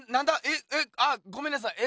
ええあごめんなさい！